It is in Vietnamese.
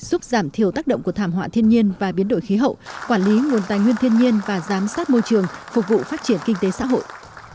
giúp giảm thiểu tác động của thảm họa thiên nhiên và biến đổi khí hậu quản lý nguồn tài nguyên thiên nhiên và giám sát môi trường phục vụ phát triển kinh tế xã hội